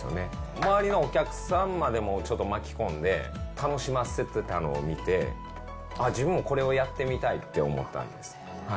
周りのお客さんまでもちょっと巻き込んで、楽しませてたのを見て、あっ、自分もこれをやってみたいって思ったんです。